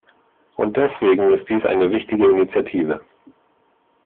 Und deswegen ist dies eine wichtige Initiative.